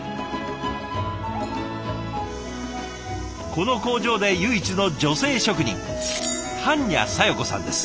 この工場で唯一の女性職人盤若砂代子さんです。